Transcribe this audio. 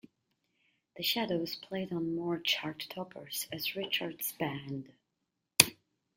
The Shadows played on more chart-toppers as Richard's band.